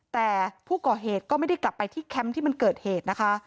แต่ผู้ก่อเหตุก็ไม่ได้กลับไปที่แคมป์ที่มันเกิดเหตุนะคะ